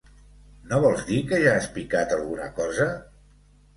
No vols dir que ja has picat alguna cosa?